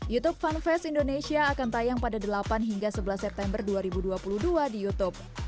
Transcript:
youtube fanfest indonesia akan tayang pada delapan hingga sebelas september dua ribu dua puluh dua di youtube